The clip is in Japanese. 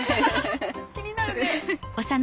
気になるね。